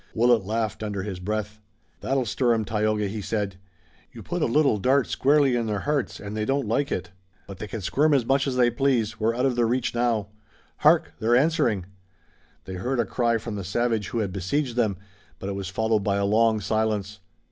Willet laughed under his breath. "That'll stir 'em, Tayoga," he said. "You put a little dart squarely in their hearts, and they don't like it. But they can squirm as much as they please, we're out of their reach now. Hark, they're answering!" They heard a cry from the savage who had besieged them, but it was followed by a long silence.